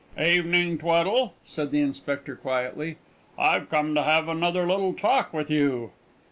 "Evening, Tweddle," said the Inspector, quietly. "I've come to have another little talk with you."